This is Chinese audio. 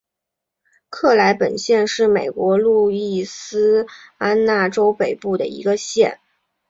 克莱本县是美国路易斯安那州北部的一个县。